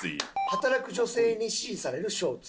働く女性に支持されるショーツ。